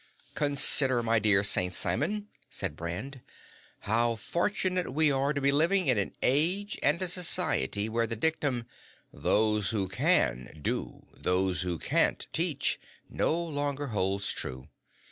"Consider, my dear St. Simon," said Brand, "how fortunate we are to be living in an age and a society where the dictum, 'Those who can, do; those who can't, teach,' no longer holds true.